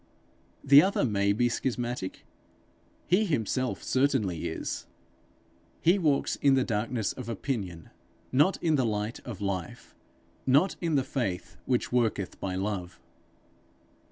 The other may be schismatic; he himself certainly is. He walks in the darkness of opinion, not in the light of life, not in the faith which worketh by love.